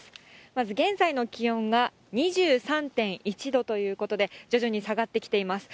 まず現在の気温が２３．１度ということで、徐々に下がってきています。